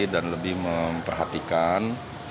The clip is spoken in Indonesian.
dan lebih memperhatikan